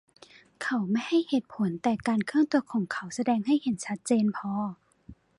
เขาไม่ให้เหตุผล แต่การเคลื่อนตัวของเขาแสดงให้เห็นชัดเจนพอ